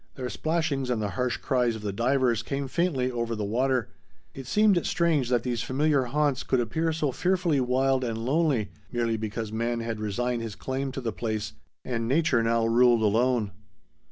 Their splashings, and the harsh cries of the divers came faintly over the water. It seemed strange that these familiar haunts could appear so fearfully wild and lonely merely because man had resigned his claim to the place and nature now ruled alone.